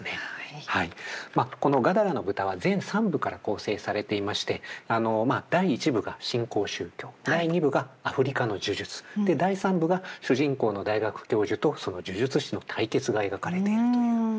この「ガダラの豚」は全３部から構成されていまして第１部が新興宗教第２部がアフリカの呪術第３部が主人公の大学教授とその呪術師の対決が描かれているという。